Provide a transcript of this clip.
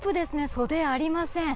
袖、ありません。